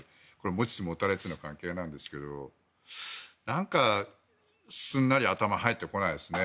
持ちつ持たれつの関係なんですがなんか、すんなり頭に入ってこないですね。